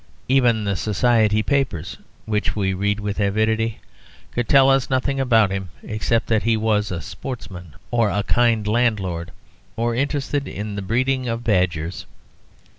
Even the Society papers (which we read with avidity) could tell us nothing about him except that he was a sportsman or a kind landlord, or interested in the breeding of badgers.